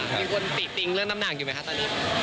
มีคนติ๋ติ่งเรื่องน้ำหนังอยู่ไหมขนาดนี้